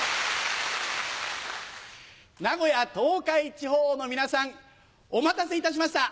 名古屋東海地方の皆さんお待たせいたしました。